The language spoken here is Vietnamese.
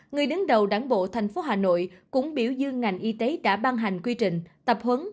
người đứng đầu đảng bộ thành phố hà nội cũng biểu dương ngành y tế đã ban hành quy trình tập huấn